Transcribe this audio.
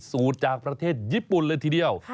สูตรจากประเทศญี่ปุ่นเลยทีเดียว